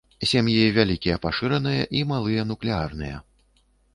Сем'і вялікія пашыраныя і малыя нуклеарныя.